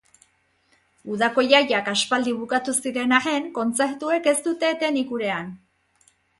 Udako jaiak aspaldi bukatu ziren arren, kontzertuek ez dute etenik gurean.